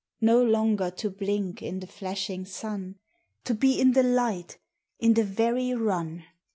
No longer to blink in the flashing sun. To be in the light, in the very run.